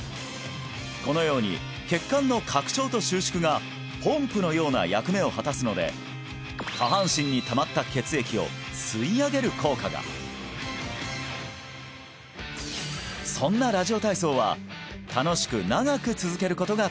このように血管の拡張と収縮がポンプのような役目を果たすので下半身にたまった血液を吸い上げる効果がそんなが大切！